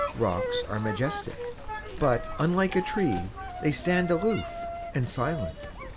Rocks are majestic; but, unlike a tree, They stand aloof, and silent.